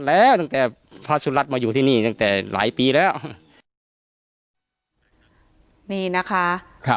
แล้วตั้งแต่พระสุรัตน์มาอยู่ที่นี่ตั้งแต่หลายปีแล้วนี่นะคะครับ